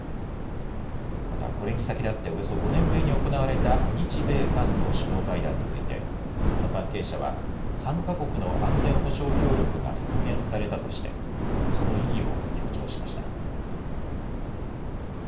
またこれに先立っておよそ５年ぶりに行われた日米韓の首脳会談についてこの関係者は３か国の安全保障協力が復元されたとしてその意義を強調しました。